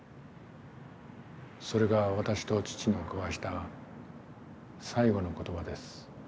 それが私と父の交わした最後の言葉です。